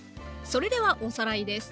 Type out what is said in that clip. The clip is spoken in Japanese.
それではおさらいです。